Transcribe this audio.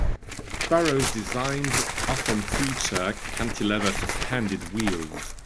Burrows' designs often feature cantilever suspended wheels.